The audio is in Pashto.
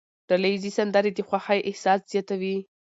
ډلهییزې سندرې د خوښۍ احساس زیاتوي.